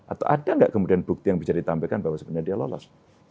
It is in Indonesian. atau ada nggak kemudian bukti yang bisa ditampilkan bahwa sebenarnya dia lolos